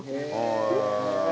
へえ。